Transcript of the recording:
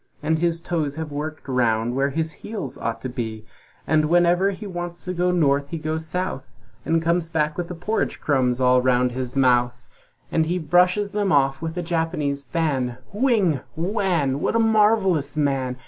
And his toes have worked round where his heels ought to be. So whenever he wants to go North he goes South, And comes back with the porridge crumbs all round his mouth, And he brushes them off with a Japanese fan, Whing! Whann! What a marvelous man!